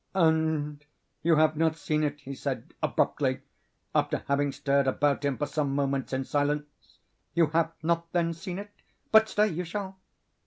"And you have not seen it?" he said abruptly, after having stared about him for some moments in silence—"you have not then seen it?—but, stay! you shall."